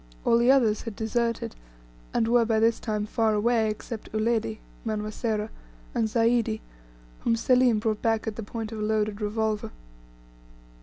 All the others had deserted, and were by this time far away, except Uledi (Manwa Sera) and Zaidi, whom Selim brought back at the point of a loaded revolver.